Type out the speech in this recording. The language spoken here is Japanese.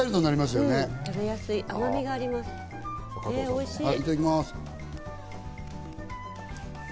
おいしい！